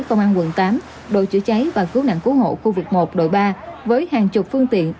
công an quận tám đội chữa cháy và cứu nạn cứu hộ khu vực một đội ba với hàng chục phương tiện